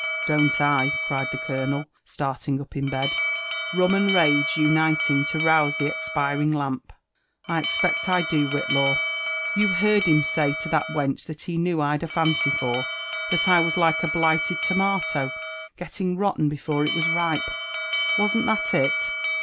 ''DonU I?" cried the colonel, starling up in bed, rum and rage uniting to rouse the expiring lamp. *' I expect I do, Whitlaw. You JONATHAN JEFFERSON WHITLAW 313 heard him say to that wench that he knew Fd a fancy for, that I was like a blighted tomato, gelling roUen before it was ripe,> — ^wasn't that it